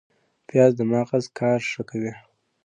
پیاز د مغز کار ښه کوي